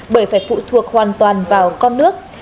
bởi phải phụ thuộc hoàn toàn vào con nước